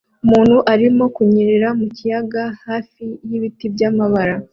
Umuntu arimo kunyerera mu kiyaga hafi y'ibiti by'amabara